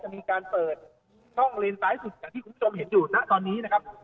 มีการเปิดช่องเลนซ้ายสุดอย่างที่คุณผู้ชมเห็นอยู่ณตอนนี้นะครับ